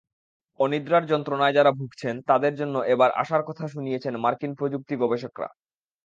অনিদ্রার যন্ত্রণায় যারা ভুগছেন তাঁদের জন্য এবার আশার কথা শুনিয়েছেন মার্কিন প্রযুক্তি গবেষকেরা।